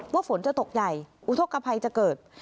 ฝนจะตกใหญ่อุทธกภัยจะเกิด